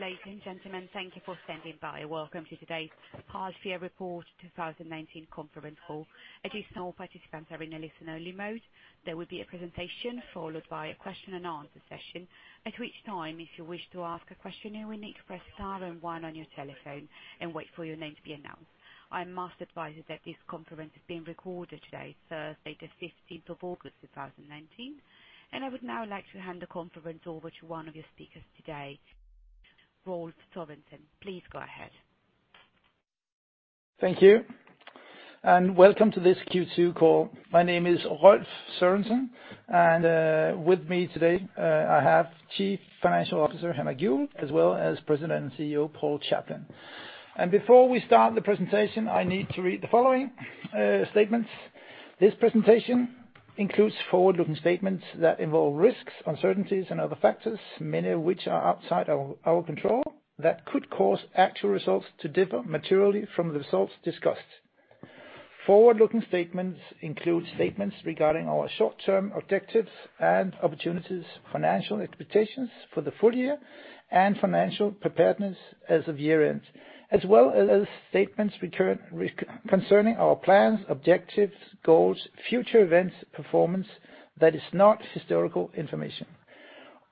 Ladies and gentlemen, thank you for standing by. Welcome to today's half year report 2019 conference call. As you some all participants are in a listen only mode. There will be a presentation followed by a question and answer session, at which time, if you wish to ask a question, you will need to press star 1 on your telephone and wait for your name to be announced. I must advise you that this conference is being recorded today, Thursday, the 15th August, 2019. I would now like to hand the conference over to one of your speakers today, Rolf Sass Sørensen. Please go ahead. Thank you. Welcome to this Q2 call. My name is Rolf Sass Sørensen. With me today, I have Chief Financial Officer, Henrik Juul, as well as President and CEO, Paul Chaplin. Before we start the presentation, I need to read the following statements. This presentation includes forward-looking statements that involve risks, uncertainties, and other factors, many of which are outside our control, that could cause actual results to differ materially from the results discussed. Forward-looking statements include statements regarding our short-term objectives and opportunities, financial expectations for the full year, and financial preparedness as of year-end, as well as statements concerning our plans, objectives, goals, future events, performance that is not historical information.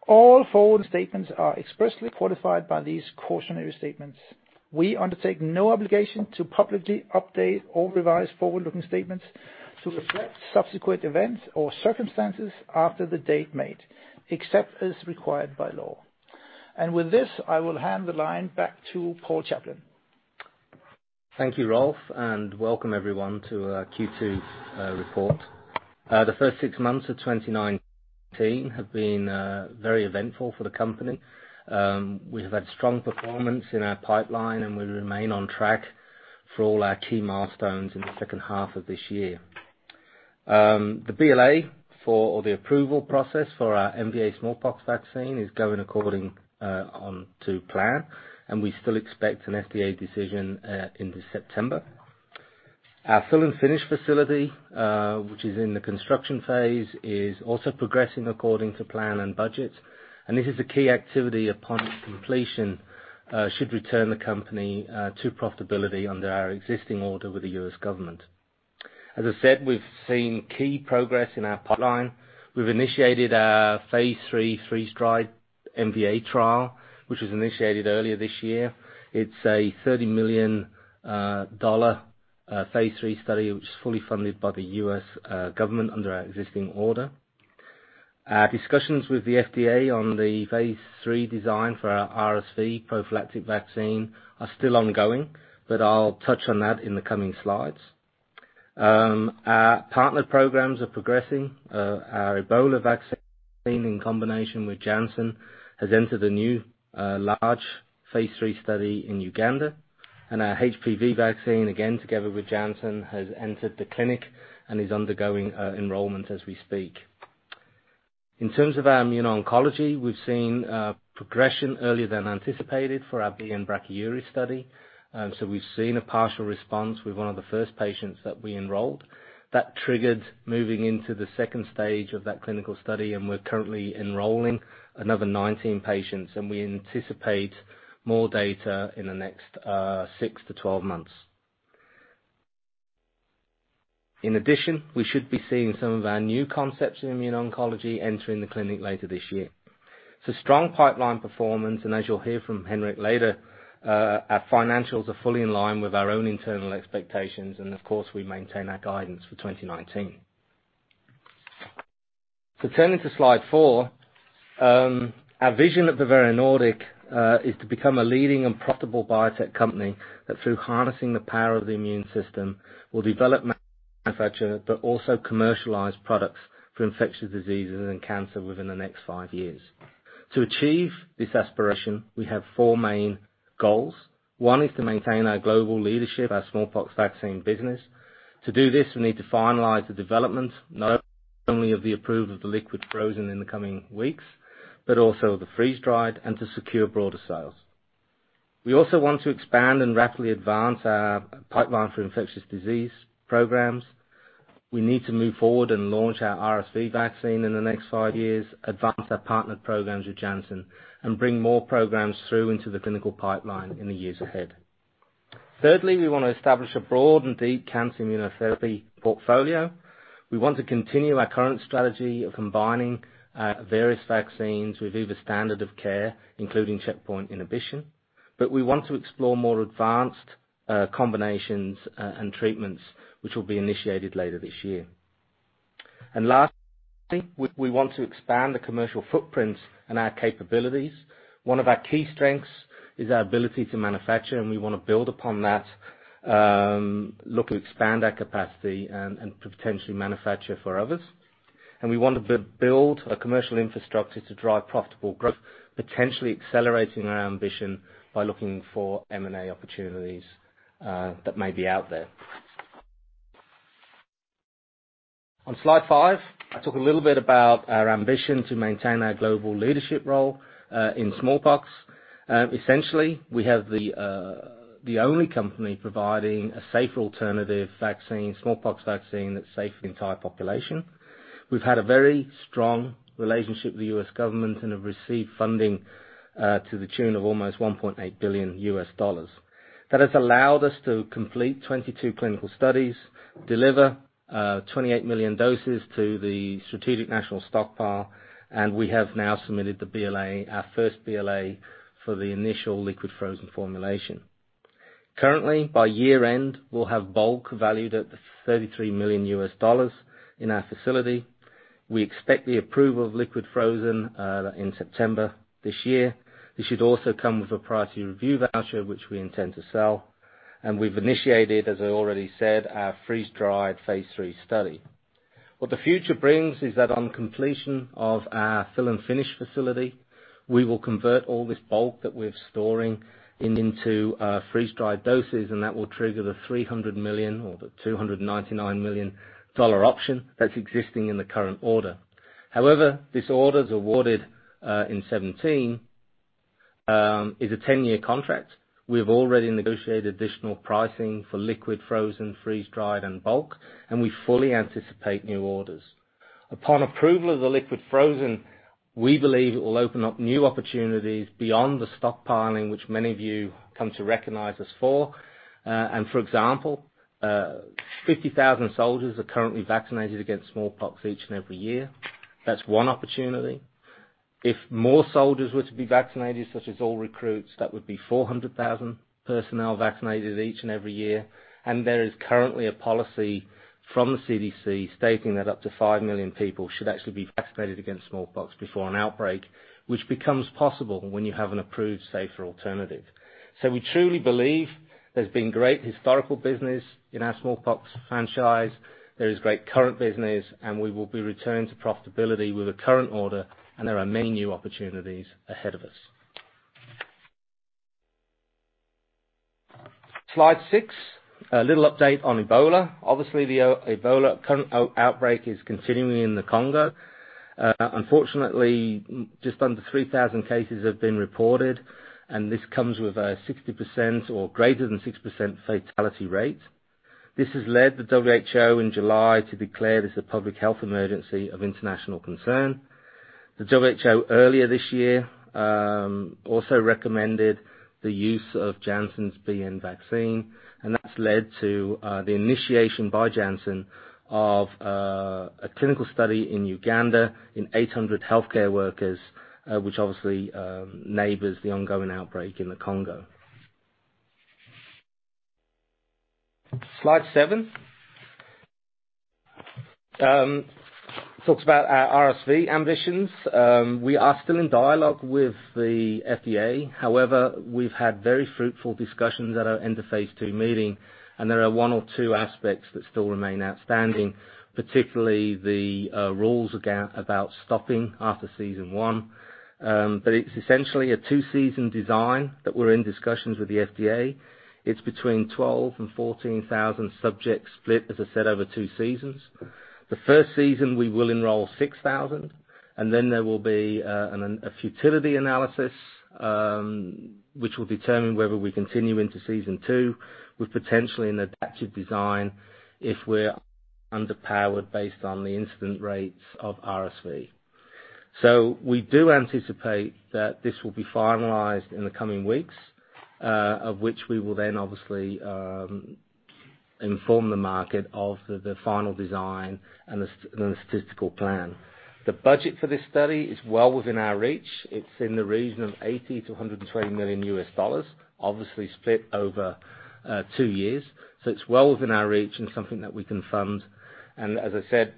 All forward statements are expressly qualified by these cautionary statements. We undertake no obligation to publicly update or revise forward-looking statements to reflect subsequent events or circumstances after the date made, except as required by law. With this, I will hand the line back to Paul Chaplin. Thank you, Rolf. Welcome everyone to our Q2 report. The first 6 months of 2019 have been very eventful for the company. We've had strong performance in our pipeline. We remain on track for all our key milestones in the second half of this year. The BLA for the approval process for our MVA smallpox vaccine is going according to plan. We still expect an FDA decision in September. Our fill and finish facility, which is in the construction phase, is also progressing according to plan and budget. This is a key activity upon completion should return the company to profitability under our existing order with the U.S. government. As I said, we've seen key progress in our pipeline. We've initiated our Phase III freeze-dried MVA trial, which was initiated earlier this year. It's a $30 million phase III study, which is fully funded by the U.S. government under our existing order. Our discussions with the FDA on the phase III design for our RSV prophylactic vaccine are still ongoing. I'll touch on that in the coming slides. Our partner programs are progressing. Our Ebola vaccine in combination with Janssen has entered a new, large phase III study in Uganda, and our HPV vaccine, again, together with Janssen, has entered the clinic and is undergoing enrollment as we speak. In terms of our immune oncology, we've seen progression earlier than anticipated for our BN-Brachyury study. We've seen a partial response with one of the first patients that we enrolled. That triggered moving into the second stage of that clinical study, we're currently enrolling another 19 patients, we anticipate more data in the next 6-12 months. In addition, we should be seeing some of our new concepts in immune oncology entering the clinic later this year. Strong pipeline performance, as you'll hear from Henrik later, our financials are fully in line with our own internal expectations, of course, we maintain our guidance for 2019. Turning to slide 4, our vision at Bavarian Nordic is to become a leading and profitable biotech company, that through harnessing the power of the immune system, will develop, manufacture, but also commercialize products for infectious diseases and cancer within the next 5 years. To achieve this aspiration, we have 4 main goals. One is to maintain our global leadership, our smallpox vaccine business. To do this, we need to finalize the development, not only of the approval of the liquid-frozen in the coming weeks, but also the freeze-dried and to secure broader sales. We also want to expand and rapidly advance our pipeline for infectious disease programs. We need to move forward and launch our RSV vaccine in the next 5 years, advance our partner programs with Janssen, and bring more programs through into the clinical pipeline in the years ahead. Thirdly, we want to establish a broad and deep cancer immunotherapy portfolio. We want to continue our current strategy of combining various vaccines with either standard of care, including checkpoint inhibition, but we want to explore more advanced combinations and treatments which will be initiated later this year. Lastly, we want to expand the commercial footprint and our capabilities. One of our key strengths is our ability to manufacture, and we want to build upon that, look to expand our capacity and to potentially manufacture for others. We want to build a commercial infrastructure to drive profitable growth, potentially accelerating our ambition by looking for M&A opportunities that may be out there. On slide 5, I talk a little bit about our ambition to maintain our global leadership role in smallpox. Essentially, we have the only company providing a safer alternative vaccine, smallpox vaccine, that's safe for the entire population. We've had a very strong relationship with the U.S. government and have received funding to the tune of almost $1.8 billion. That has allowed us to complete 22 clinical studies, deliver 28 million doses to the Strategic National Stockpile, and we have now submitted the BLA, our first BLA, for the initial liquid-frozen formulation. Currently, by year-end, we'll have bulk valued at $33 million in our facility. We expect the approval of liquid-frozen in September this year. This should also come with a priority review voucher, which we intend to sell, and we've initiated, as I already said, our freeze-dried Phase III study. What the future brings is that on completion of our fill and finish facility, we will convert all this bulk that we're storing into freeze-dried doses, and that will trigger the $300 million or the $299 million option that's existing in the current order. This order is awarded in 2017, is a 10-year contract. We've already negotiated additional pricing for liquid-frozen, freeze-dried, and bulk, and we fully anticipate new orders. Upon approval of the liquid-frozen, we believe it will open up new opportunities beyond the stockpiling, which many of you come to recognize us for. For example, 50,000 soldiers are currently vaccinated against smallpox each and every year. That's 1 opportunity. If more soldiers were to be vaccinated, such as all recruits, that would be 400,000 personnel vaccinated each and every year, and there is currently a policy from the CDC stating that up to 5 million people should actually be vaccinated against smallpox before an outbreak, which becomes possible when you have an approved, safer alternative. We truly believe there's been great historical business in our smallpox franchise. There is great current business. We will be returning to profitability with a current order. There are many new opportunities ahead of us. Slide six, a little update on Ebola. Obviously, the Ebola current outbreak is continuing in the Congo. Unfortunately, just under 3,000 cases have been reported. This comes with a 60% or greater than 6% fatality rate. This has led the WHO in July to declare this a public health emergency of international concern. The WHO, earlier this year, also recommended the use of Janssen's BN vaccine. That's led to the initiation by Janssen of a clinical study in Uganda in 800 healthcare workers, which obviously, neighbors the ongoing outbreak in the Congo. Slide seven, talks about our RSV ambitions. We are still in dialogue with the FDA. However, we've had very fruitful discussions that are in the Phase II meeting, and there are one or two aspects that still remain outstanding, particularly the rules about stopping after season one. It's essentially a 2-season design that we're in discussions with the FDA. It's between 12,000 and 14,000 subjects split, as I said, over 2 seasons. The first season, we will enroll 6,000, and then there will be a futility analysis, which will determine whether we continue into season 2, with potentially an adaptive design if we're underpowered based on the incident rates of RSV. We do anticipate that this will be finalized in the coming weeks, of which we will then, obviously, inform the market of the final design and the statistical plan. The budget for this study is well within our reach. It's in the region of $80 million–$120 million, obviously split over 2 years. It's well within our reach and something that we can fund. As I said,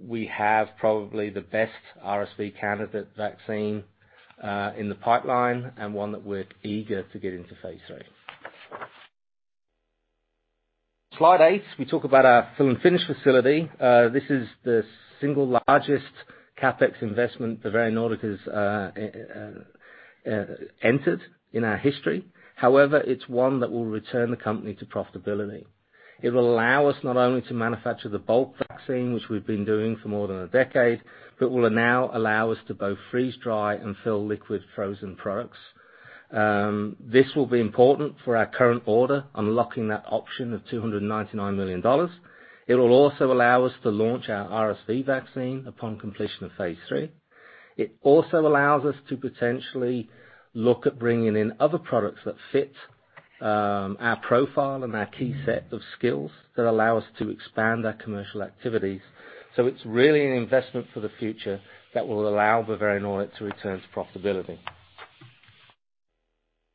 we have probably the best RSV candidate vaccine in the pipeline, and one that we're eager to get into Phase III. Slide 8, we talk about our fill and finish facility. This is the single largest CapEx investment that Bavarian Nordic has entered in our history. However, it's one that will return the company to profitability. It will allow us not only to manufacture the bulk vaccine, which we've been doing for more than a decade, but will now allow us to both freeze, dry, and fill liquid-frozen products. This will be important for our current order, unlocking that option of $299 million. It will also allow us to launch our RSV vaccine upon completion of Phase III. It also allows us to potentially look at bringing in other products that fit our profile and our key set of skills that allow us to expand our commercial activities. It's really an investment for the future that will allow Bavarian Nordic to return to profitability.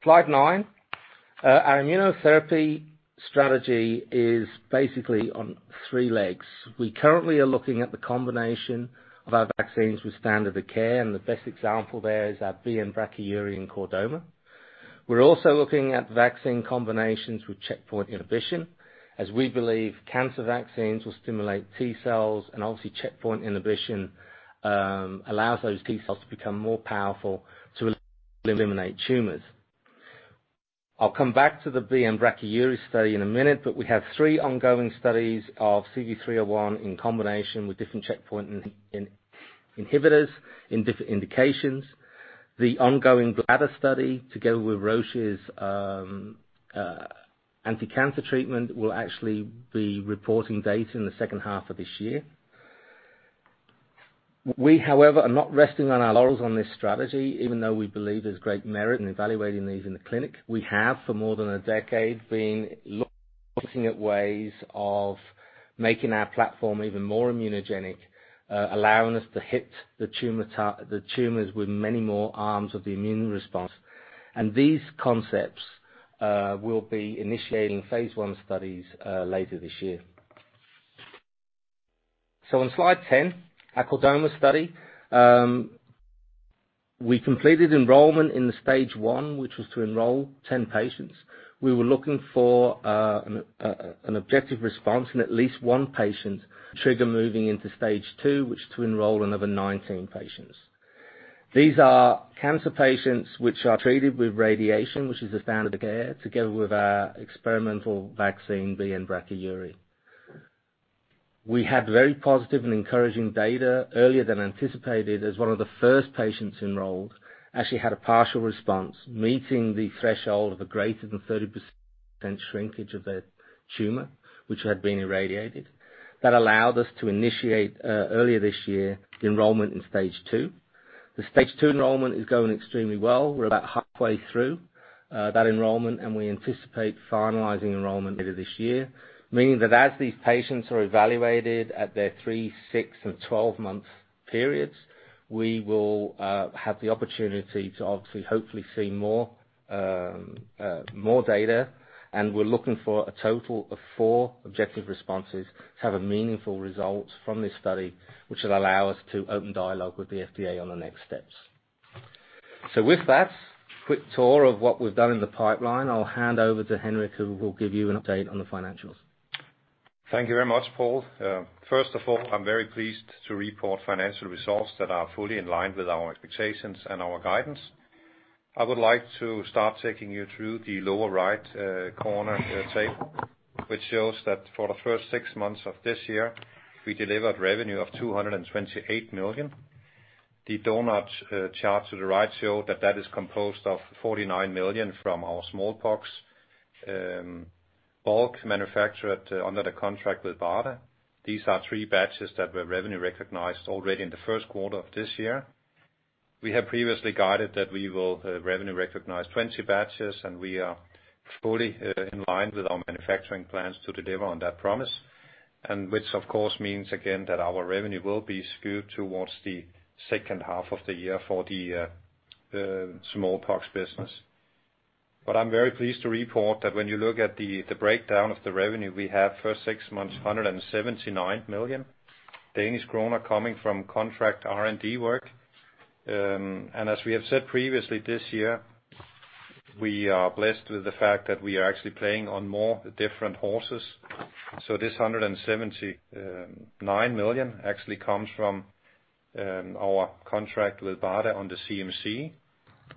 Slide 9, our immunotherapy strategy is basically on three legs. We currently are looking at the combination of our vaccines with standard of care, and the best example there is our BN-Brachyury and chordoma. We're also looking at vaccine combinations with checkpoint inhibition, as we believe cancer vaccines will stimulate T cells, and obviously, checkpoint inhibition allows those T cells to become more powerful to eliminate tumors. I'll come back to the BN-Brachyury study in a minute, but we have three ongoing studies of CV301 in combination with different checkpoint inhibitors in different indications. The ongoing bladder study, together with Roche's anticancer treatment, will actually be reporting data in the second half of this year. We, however, are not resting on our laurels on this strategy, even though we believe there's great merit in evaluating these in the clinic. We have, for more than a decade, been looking at ways of making our platform even more immunogenic, allowing us to hit the tumors with many more arms of the immune response. These concepts will be initiating Phase 1 studies later this year. On Slide 10, a chordoma study. We completed enrollment in the Stage 1, which was to enroll 10 patients. We were looking for an objective response in at least 1 patient, trigger moving into Stage 2, which to enroll another 19 patients. These are cancer patients which are treated with radiation, which is the standard of care, together with our experimental vaccine, BN-Brachyury. We had very positive and encouraging data earlier than anticipated, as 1 of the first patients enrolled actually had a partial response, meeting the threshold of a greater than 30% shrinkage of their tumor, which had been irradiated. That allowed us to initiate earlier this year, the enrollment in Stage 2. The Stage 2 enrollment is going extremely well. We're about halfway through that enrollment, we anticipate finalizing enrollment later this year, meaning that as these patients are evaluated at their 3, 6, and 12-month periods, we will have the opportunity to obviously, hopefully, see more data. We're looking for a total of 4 objective responses to have a meaningful result from this study, which will allow us to open dialogue with the FDA on the next steps. With that quick tour of what we've done in the pipeline, I'll hand over to Henrik, who will give you an update on the financials. Thank you very much, Paul. First of all, I'm very pleased to report financial results that are fully in line with our expectations and our guidance. I would like to start taking you through the lower right corner table, which shows that for the first six months of this year, we delivered revenue of 228 million. The doughnut chart to the right show that that is composed of $49 million from our smallpox bulk manufacture under the contract with BARDA. These are three batches that were revenue recognized already in the Q1 of this year. We have previously guided that we will revenue recognize 20 batches. We are fully in line with our manufacturing plans to deliver on that promise, which of course, means, again, that our revenue will be skewed towards the second half of the year for the smallpox business. I'm very pleased to report that when you look at the breakdown of the revenue, we have first six months, 179 million coming from contract R&D work. As we have said previously, this year, we are blessed with the fact that we are actually playing on more different horses. This 179 million actually comes from our contract with BARDA on the CMC.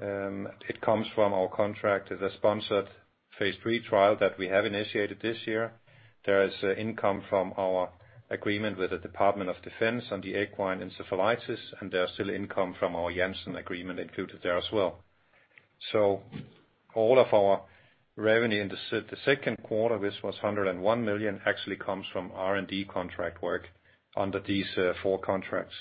It comes from our contract as a sponsored Phase III trial that we have initiated this year. There is income from our agreement with the Department of Defense on the equine encephalitis, there are still income from our Janssen agreement included there as well. All of our revenue in the Q2, which was 101 million, actually comes from R&D contract work under these four contracts.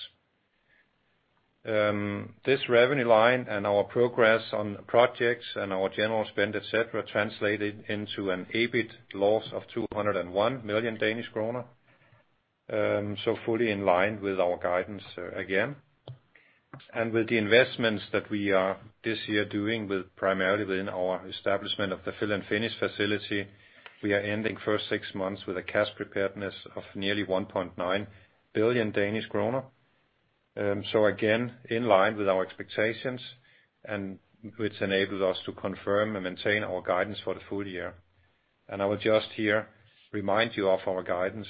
This revenue line and our progress on projects and our general spend, et cetera, translated into an EBIT loss of 201 million Danish kroner. Fully in line with our guidance again. With the investments that we are this year doing with primarily within our establishment of the fill and finish facility, we are ending first six months with a cash preparedness of nearly 1.9 billion Danish kroner. Again, in line with our expectations and which enables us to confirm and maintain our guidance for the full year. I will just here remind you of our guidance.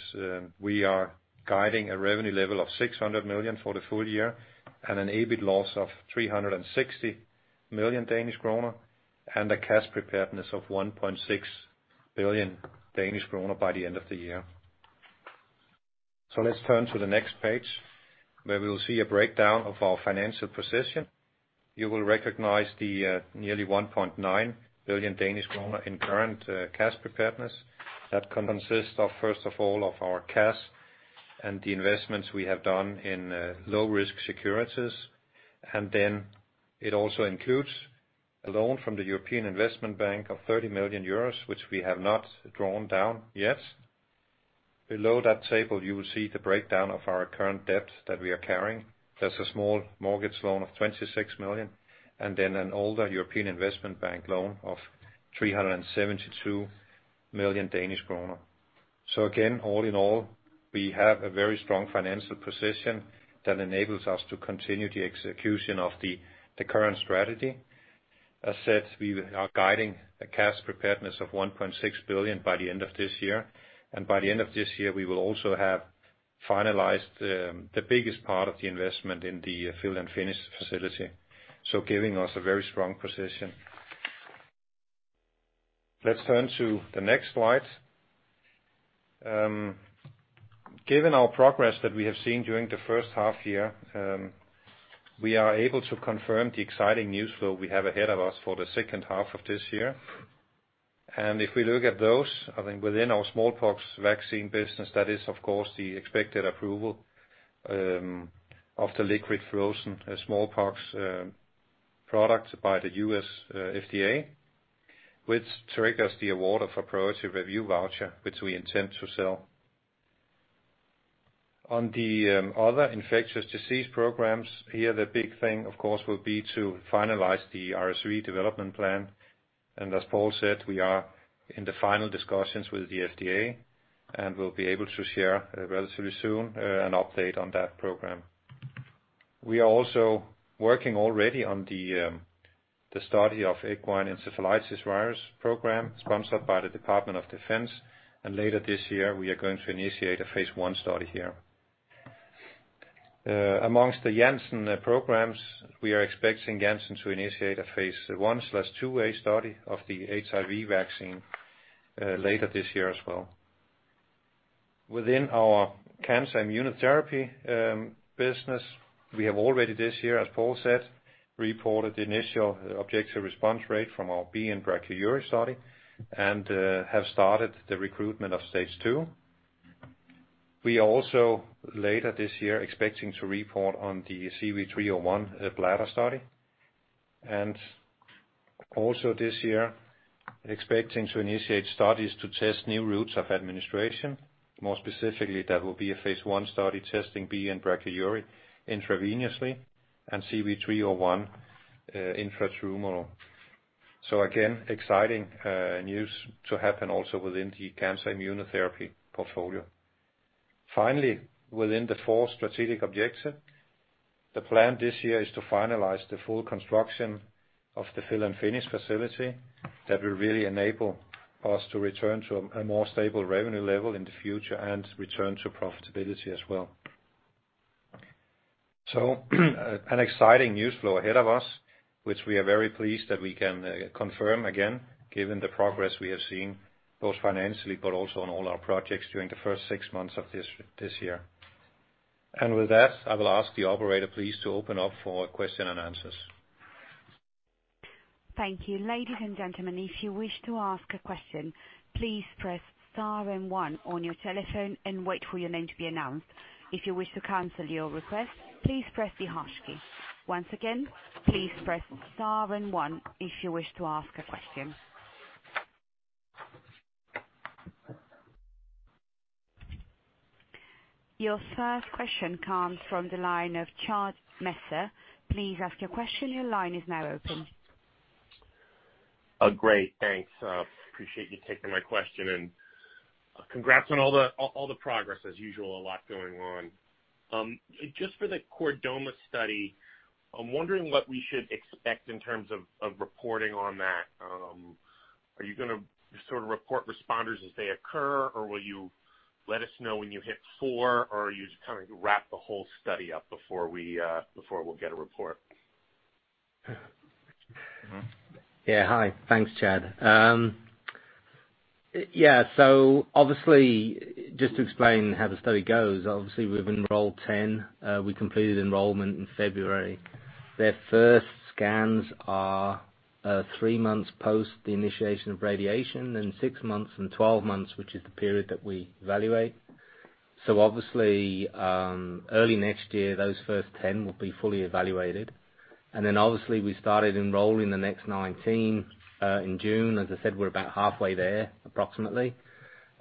We are guiding a revenue level of 600 million for the full year and an EBIT loss of 360 million Danish kroner and a cash preparedness of 1.6 billion Danish kroner by the end of the year. Let's turn to the next page, where we will see a breakdown of our financial position. You will recognize the nearly 1.9 billion Danish kroner in current cash preparedness. That consists of, first of all, of our cash and the investments we have done in low-risk securities. It also includes a loan from the European Investment Bank of 30 million euros, which we have not drawn down yet. Below that table, you will see the breakdown of our current debt that we are carrying. That's a small mortgage loan of 26 million, and then an older European Investment Bank loan of 372 million Danish kroner. Again, all in all, we have a very strong financial position that enables us to continue the execution of the current strategy. As said, we are guiding a cash preparedness of 1.6 billion by the end of this year. By the end of this year, we will also have finalized the biggest part of the investment in the fill and finish facility, so giving us a very strong position. Let's turn to the next slide. Given our progress that we have seen during the first half-year, we are able to confirm the exciting news flow we have ahead of us for the second half of this year. If we look at those, I think within our smallpox vaccine business, that is, of course, the expected approval of the liquid-frozen smallpox product by the U.S. FDA, which triggers the award of a priority review voucher, which we intend to sell. On the other infectious disease programs, here, the big thing, of course, will be to finalize the RSV development plan. As Paul said, we are in the final discussions with the FDA, and we'll be able to share relatively soon an update on that program. We are also working already on the study of equine encephalitis virus program, sponsored by the Department of Defense, later this year, we are going to initiate a Phase 1 study here. Amongst the Janssen programs, we are expecting Janssen to initiate a Phase 1/2a study of the HIV vaccine later this year as well. Within our cancer immunotherapy business, we have already this year, as Paul said, reported the initial objective response rate from our BN-Brachyury study and have started the recruitment of stage 2. We are also, later this year, expecting to report on the CV301 bladder study. Also this year, expecting to initiate studies to test new routes of administration. More specifically, that will be a Phase 1 study, testing BN-Brachyury intravenously and CV301 intratumoral. Again, exciting news to happen also within the cancer immunotherapy portfolio. Finally, within the fourth strategic objective, the plan this year is to finalize the full construction of the fill and finish facility that will really enable us to return to a more stable revenue level in the future and return to profitability as well. An exciting news flow ahead of us, which we are very pleased that we can confirm again, given the progress we have seen, both financially, but also on all our projects during the first 6 months of this year. With that, I will ask the operator, please, to open up for question and answers. Thank you. Ladies and gentlemen, if you wish to ask a question, please press star and one on your telephone and wait for your name to be announced. If you wish to cancel your request, please press the hash key. Once again, please press star and one if you wish to ask a question. Your first question comes from the line of Chad Messer. Please ask your question. Your line is now open. Great, thanks. Appreciate you taking my question, and congrats on all the, all the progress. As usual, a lot going on. Just for the chordoma study, I'm wondering what we should expect in terms of reporting on that. Are you gonna sort of report responders as they occur, or will you let us know when you hit 4, or are you just gonna wrap the whole study up before we, before we'll get a report? Mm-hmm. Yeah. Hi. Thanks, Chad. Yeah, obviously, just to explain how the study goes, obviously, we've enrolled 10. We completed enrollment in February. Their first scans are 3 months post the initiation of radiation, then 6 months and 12 months, which is the period that we evaluate. Obviously, early next year, those first 10 will be fully evaluated. Obviously, we started enrolling the next 19 in June. As I said, we're about halfway there, approximately.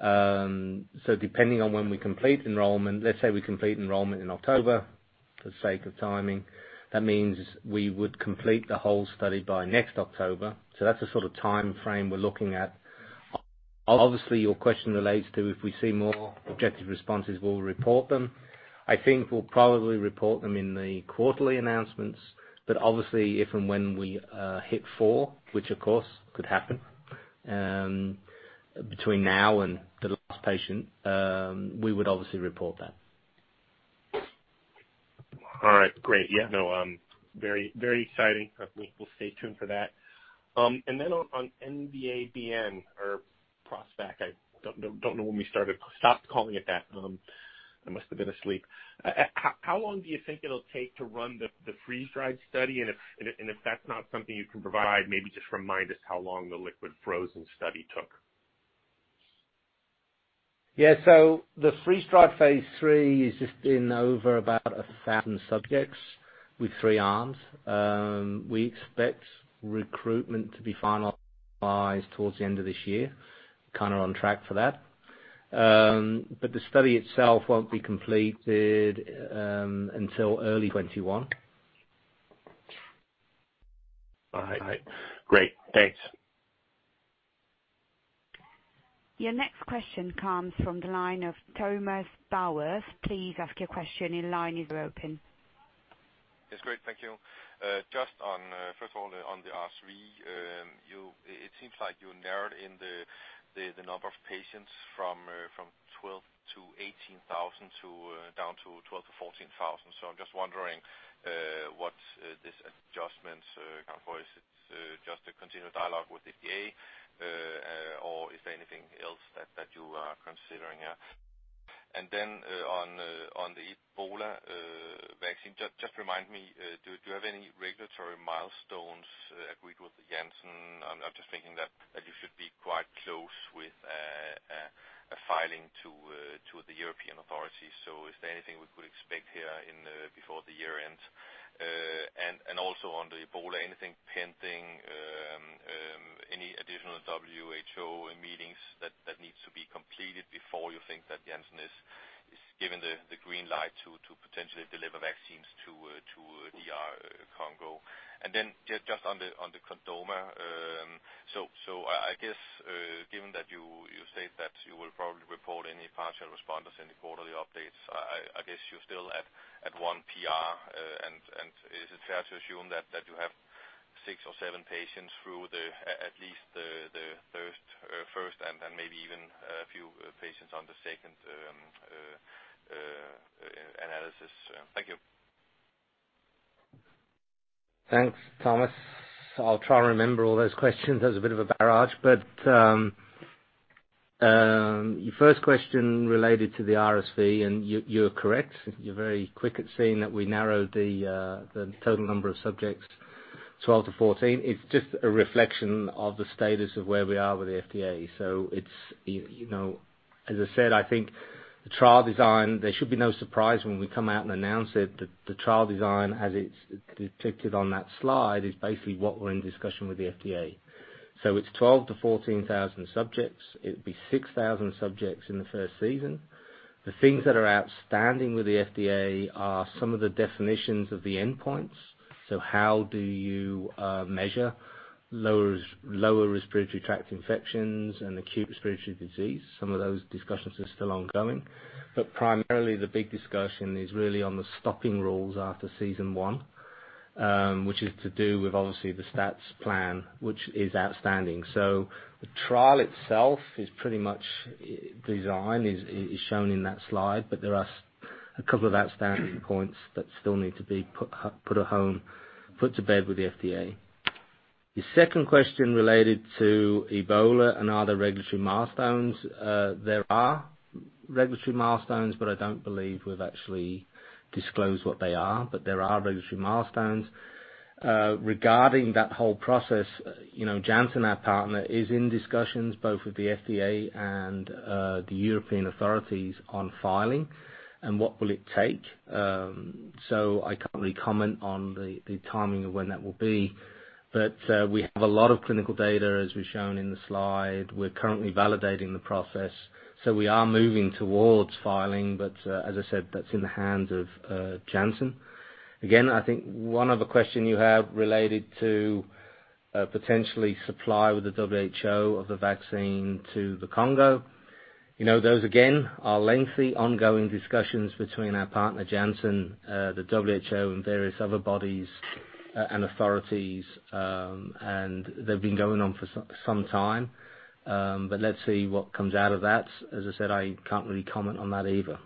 Depending on when we complete enrollment, let's say we complete enrollment in October, for the sake of timing, that means we would complete the whole study by next October. That's the sort of timeframe we're looking at. Obviously, your question relates to if we see more objective responses, we'll report them. I think we'll probably report them in the quarterly announcements, but obviously, if and when we hit 4, which of course could happen between now and the last patient, we would obviously report that. All right, great. Yeah, no, very, very exciting. We will stay tuned for that. Then on MVA-BN or PROSTVAC, I don't know when we stopped calling it that, I must have been asleep. How long do you think it'll take to run the freeze-dried study? And if that's not something you can provide, maybe just remind us how long the liquid-frozen study took. Yeah. The freeze-dried phase 3 is just in over about 1,000 subjects with 3 arms. We expect recruitment to be finalized towards the end of this year, kind of on track for that. The study itself won't be completed until early 2021. All right. Great. Thanks. Your next question comes from the line of Thomas Bowers. Please ask your question. Your line is open. It's great. Thank you. Just on, first of all, on the RSV, it seems like you narrowed in the number of patients from 12,000-18,000 to down to 12,000-14,000. I'm just wondering what this adjustment account for? Is it just a continued dialogue with the FDA, or is there anything else that you are considering here? Then, on the Ebola vaccine, just remind me, do you have any regulatory milestones agreed with Janssen? I'm just thinking that you should be quite close with a filing to the European authorities. Is there anything we could expect here in before the year ends? Also on the Ebola, anything pending, any additional WHO meetings that needs to be completed before you think that Janssen is given the green light to potentially deliver vaccines to DR Congo? Just on the chordoma, so I guess given that you state that you will probably report any partial responders in the quarterly updates, I guess you're still at 1 PR. Is it fair to assume that you have 6 or 7 patients through the, at least the first and maybe even a few patients on the second analysis? Thank you. Thanks, Thomas. I'll try and remember all those questions. That was a bit of a barrage. Your first question related to the RSV, and you're correct. You're very quick at seeing that we narrowed the total number of subjects, 12-14. It's just a reflection of the status of where we are with the FDA. It's, you know, as I said, I think the trial design, there should be no surprise when we come out and announce it, that the trial design, as it's depicted on that slide, is basically what we're in discussion with the FDA. It's 12,000-14,000 subjects. It'd be 6,000 subjects in the first season. The things that are outstanding with the FDA are some of the definitions of the endpoints. How do you measure lower respiratory tract infections and acute respiratory disease? Some of those discussions are still ongoing. Primarily, the big discussion is really on the stopping rules after season one, which is to do with obviously the stats plan, which is outstanding. The trial itself is pretty much, design is shown in that slide, but there are a couple of outstanding points that still need to be put at home, put to bed with the FDA. The second question related to Ebola and other regulatory milestones. There are regulatory milestones, but I don't believe we've actually disclosed what they are, but there are regulatory milestones. Regarding that whole process, you know, Janssen, our partner, is in discussions both with the FDA and the European authorities on filing, and what will it take. I can't really comment on the timing of when that will be. We have a lot of clinical data, as we've shown in the slide. We're currently validating the process, so we are moving towards filing, but as I said, that's in the hands of Janssen. Again, I think one other question you have related to potentially supply with the WHO of the vaccine to the Congo. You know, those again, are lengthy, ongoing discussions between our partner, Janssen, the WHO and various other bodies and authorities, and they've been going on for some time. Let's see what comes out of that. As I said, I can't really comment on that either.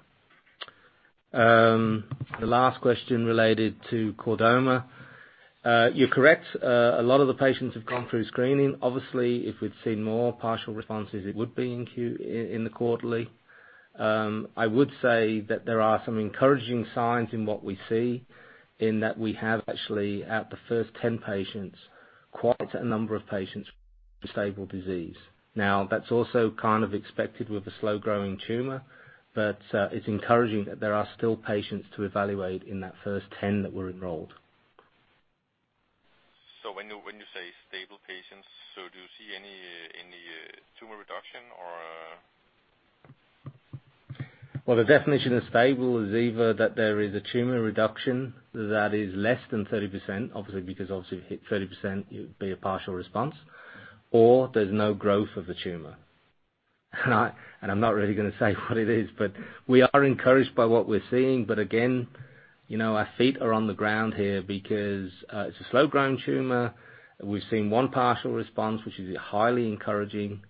The last question related to chordoma. You're correct. A lot of the patients have gone through screening. Obviously, if we'd seen more partial responses, it would be in the quarterly. I would say that there are some encouraging signs in what we see, in that we have actually, at the first 10 patients, quite a number of patients with stable disease. Now, that's also kind of expected with a slow-growing tumor, but it's encouraging that there are still patients to evaluate in that first 10 that were enrolled. When you say stable patients, so do you see any tumor reduction or? Well, the definition of stable is either that there is a tumor reduction that is less than 30%, obviously, because obviously if you hit 30%, it would be a partial response, or there's no growth of the tumor. I'm not really going to say what it is, we are encouraged by what we're seeing. Again, you know, our feet are on the ground here because it's a slow-growing tumor. We've seen one partial response, which is highly encouraging,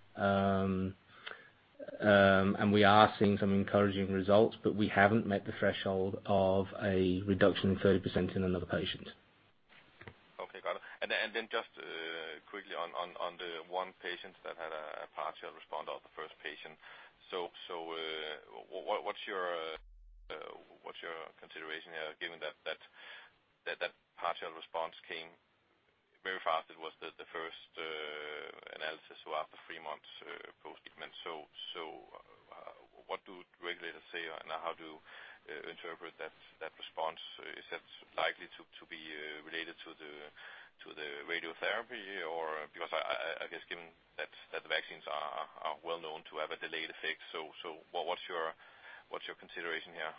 we are seeing some encouraging results, we haven't met the threshold of a reduction in 30% in another patient. Okay, got it. Then just quickly on the one patient that had a partial response or the first patient. What's your consideration here, given that partial response came very fast? It was the first analysis after three months post-treatment. What do regulators say and how to interpret that response? Is that likely to be related to the radiotherapy? I guess given that the vaccines are well known to have a delayed effect. What's your consideration here?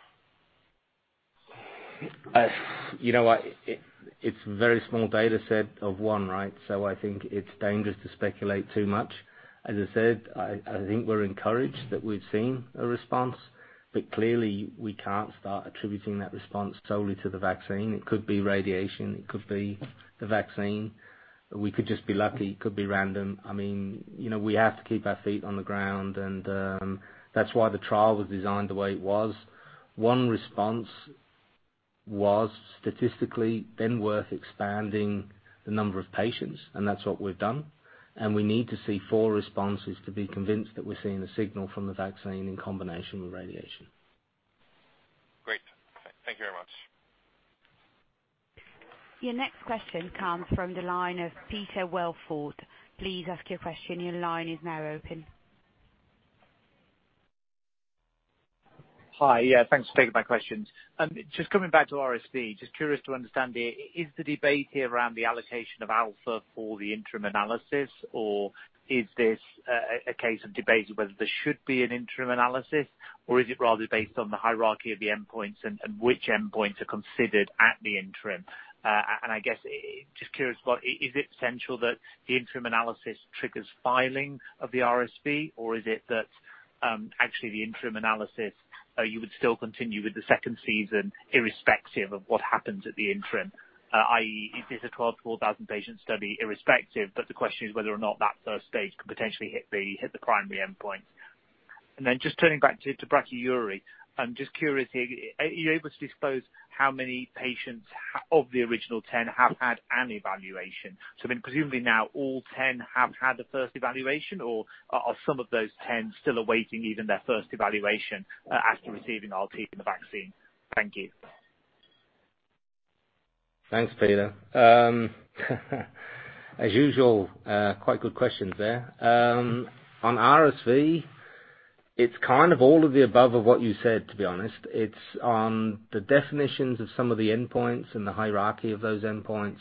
You know what? It's a very small data set of one, right? I think it's dangerous to speculate too much. As I said, I think we're encouraged that we've seen a response. Clearly, we can't start attributing that response solely to the vaccine. It could be radiation, it could be the vaccine, we could just be lucky, it could be random. I mean, you know, we have to keep our feet on the ground, and that's why the trial was designed the way it was. One response was statistically then worth expanding the number of patients, and that's what we've done. We need to see four responses to be convinced that we're seeing a signal from the vaccine in combination with radiation. Great. Thank you very much. Your next question comes from the line of Peter Welford. Please ask your question. Your line is now open. Hi, yeah, thanks for taking my questions. Just coming back to RSV, just curious to understand, is the debate here around the allocation of alpha for the interim analysis, or is this a case of debate whether there should be an interim analysis, or is it rather based on the hierarchy of the endpoints and which endpoints are considered at the interim? I guess, just curious, is it essential that the interim analysis triggers filing of the RSV, or is it that actually the interim analysis you would still continue with the second season irrespective of what happens at the interim, i.e., it is a 12,000-4,000 patient study irrespective, but the question is whether or not that first stage could potentially hit the primary endpoint? Just turning back to brachyury, I'm just curious here, are you able to disclose how many patients of the original 10 have had an evaluation? Presumably now all 10 have had the first evaluation, or are some of those 10 still awaiting even their first evaluation after receiving RT in the vaccine? Thank you. Thanks, Peter. As usual, quite good questions there. On RSV, it's kind of all of the above of what you said, to be honest. It's on the definitions of some of the endpoints and the hierarchy of those endpoints.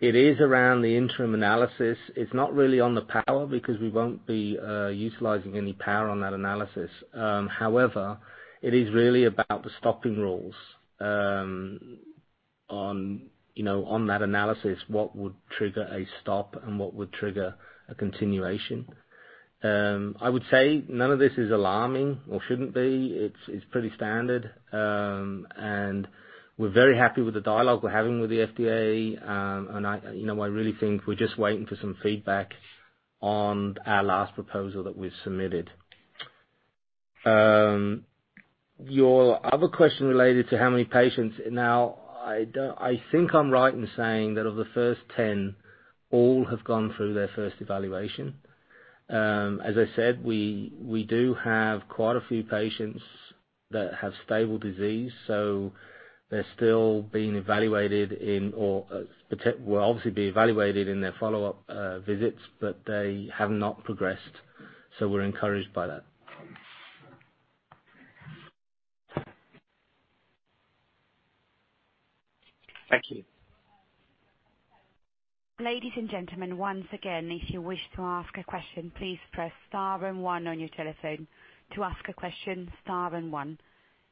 It is around the interim analysis. It's not really on the power because we won't be utilizing any power on that analysis. However, it is really about the stopping rules on, you know, on that analysis, what would trigger a stop and what would trigger a continuation. I would say none of this is alarming or shouldn't be. It's pretty standard, and we're very happy with the dialogue we're having with the FDA, and I, you know, I really think we're just waiting for some feedback on our last proposal that we've submitted. Your other question related to how many patients. I think I'm right in saying that of the first 10, all have gone through their first evaluation. As I said, we do have quite a few patients that have stable disease, so they're still being evaluated in or, well, obviously, being evaluated in their follow-up, visits, but they have not progressed, so we're encouraged by that. Thank you. Ladies and gentlemen, once again, if you wish to ask a question, please press star and one on your telephone. To ask a question, star and one.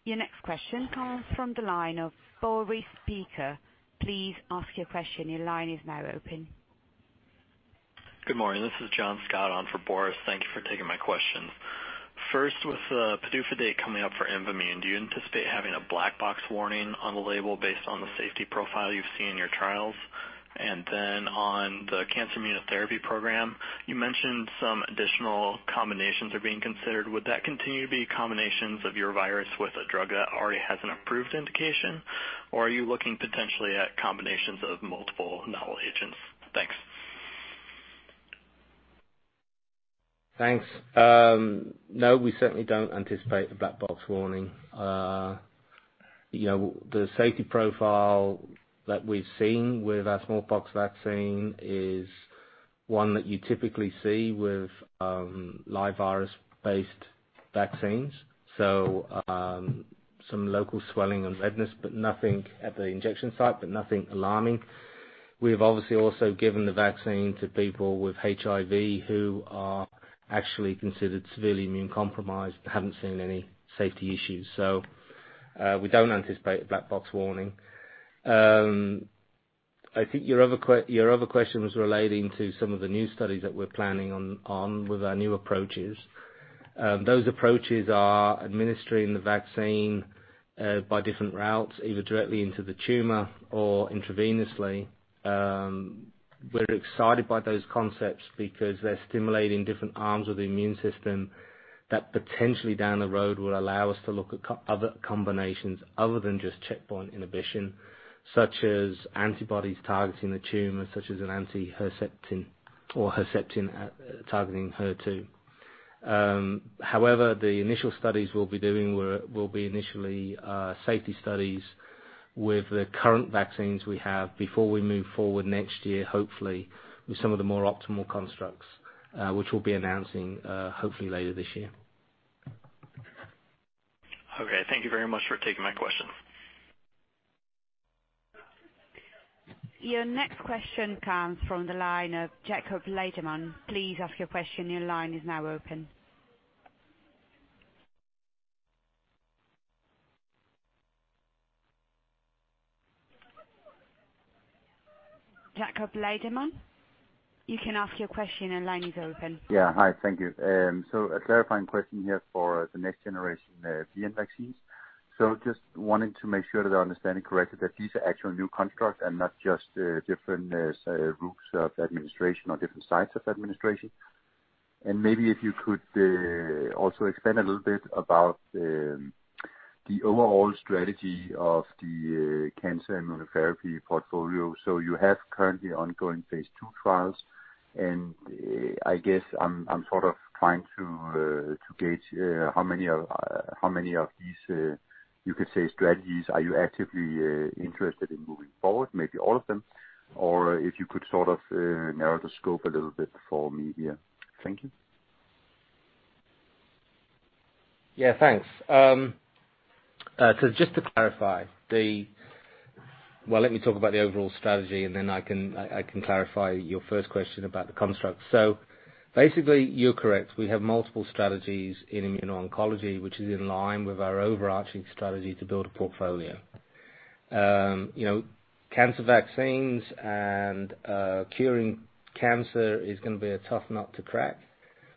Your next question comes from the line of Boris Peaker. Please ask your question, your line is now open. Good morning, this is John Scotti on for Boris. Thank you for taking my questions. First, with the PDUFA date coming up for Imvamune, do you anticipate having a black box warning on the label based on the safety profile you've seen in your trials? On the cancer immunotherapy program, you mentioned some additional combinations are being considered. Would that continue to be combinations of your virus with a drug that already has an approved indication, or are you looking potentially at combinations of multiple novel agents? Thanks. Thanks. No, we certainly don't anticipate the black box warning. You know, the safety profile that we've seen with our smallpox vaccine is one that you typically see with live virus-based vaccines. Some local swelling and redness, but nothing at the injection site, but nothing alarming. We've obviously also given the vaccine to people with HIV, who are actually considered severely immune compromised, and haven't seen any safety issues. We don't anticipate a black box warning. I think your other question was relating to some of the new studies that we're planning on with our new approaches. Those approaches are administering the vaccine by different routes, either directly into the tumor or intravenously. We're excited by those concepts because they're stimulating different arms of the immune system that potentially down the road, will allow us to look at other combinations other than just checkpoint inhibition, such as antibodies targeting the tumor, such as an anti-Herceptin or Herceptin targeting HER2. However, the initial studies we'll be doing will be initially safety studies with the current vaccines we have before we move forward next year, hopefully with some of the more optimal constructs, which we'll be announcing, hopefully later this year. Okay, thank you very much for taking my questions. Your next question comes from the line of Jacob Lademann. Please ask your question, your line is now open. Jacob Lademann, you can ask your question, your line is open. Yeah. Hi, thank you. A clarifying question here for the next generation VN vaccines. Just wanting to make sure that I'm understanding correctly, that these are actual new constructs and not just different routes of administration or different sites of administration. Maybe if you could also expand a little bit about the overall strategy of the cancer immunotherapy portfolio. You have currently ongoing phase 2 trials, I guess I'm sort of trying to gauge how many of how many of these, you could say, strategies are you actively interested in moving forward, maybe all of them? If you could sort of narrow the scope a little bit for me here. Thank you. Thanks. Just to clarify, Well, let me talk about the overall strategy, and then I can clarify your first question about the construct. Basically, you're correct. We have multiple strategies in immuno-oncology, which is in line with our overarching strategy to build a portfolio. You know, cancer vaccines and curing cancer is gonna be a tough nut to crack.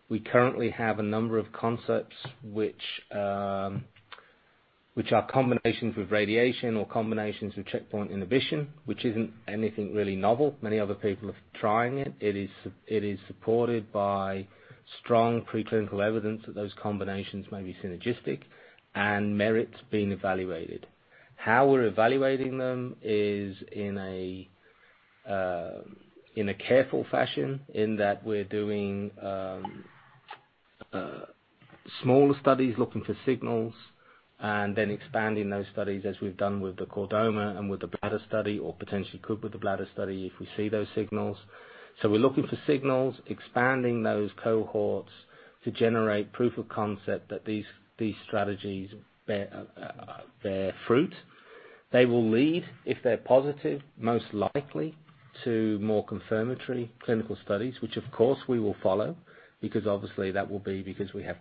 We currently have a number of concepts which are combinations with radiation or combinations with checkpoint inhibition, which isn't anything really novel. Many other people are trying it. It is supported by strong preclinical evidence that those combinations may be synergistic and merits being evaluated. How we're evaluating them is in a careful fashion, in that we're doing smaller studies, looking for signals, and then expanding those studies, as we've done with the chordoma and with the bladder study, or potentially could with the bladder study if we see those signals. We're looking for signals, expanding those cohorts to generate proof of concept that these strategies bear fruit. They will lead, if they're positive, most likely to more confirmatory clinical studies, which of course we will follow, because obviously, that will be because we have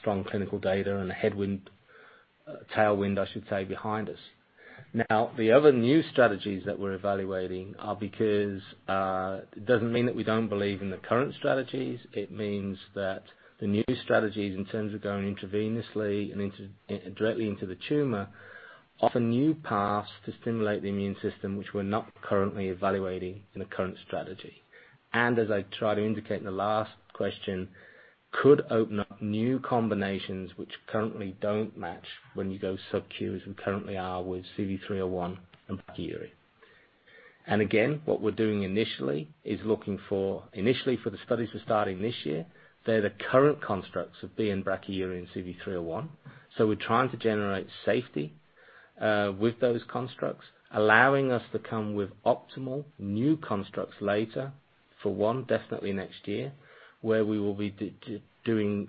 strong clinical data and a headwind, tailwind, I should say, behind us. The other new strategies that we're evaluating are because it doesn't mean that we don't believe in the current strategies. It means that the new strategies, in terms of going intravenously and into, directly into the tumor, offer new paths to stimulate the immune system, which we're not currently evaluating in the current strategy. As I tried to indicate in the last question, could open up new combinations which currently don't match when you go sub-Q, as we currently are with CV301 and Brachyury. Again, what we're doing initially is Initially, for the studies we're starting this year, they're the current constructs of BN-Brachyury in CV301. We're trying to generate safety with those constructs, allowing us to come with optimal new constructs later, for one, definitely next year, where we will be doing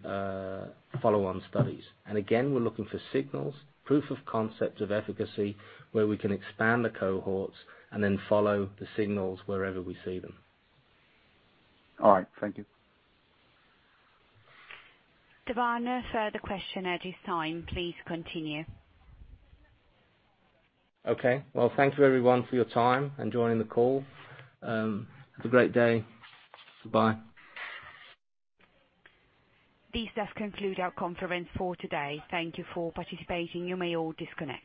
follow-on studies. Again, we're looking for signals, proof of concept of efficacy, where we can expand the cohorts and then follow the signals wherever we see them. All right, thank you. Devan, no further question at this time. Please continue. Okay. Well, thank you everyone for your time and joining the call. Have a great day. Bye. This does conclude our conference for today. Thank you for participating. You may all disconnect.